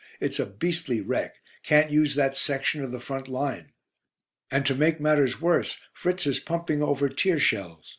It's a beastly wreck. Can't use that section of the front line. And to make matters worse, Fritz is pumping over tear shells.